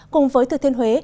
cùng với thực thiên huế